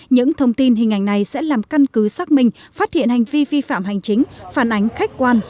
những thông tin hình ảnh này sẽ làm căn cứ xác minh phát hiện hành vi vi phạm hành chính phản ánh khách quan